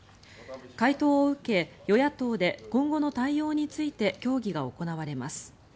回答を受け、与野党で今後の対応について協議が行われます。